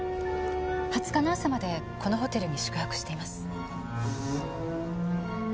２０日の朝までこのホテルに宿泊しています。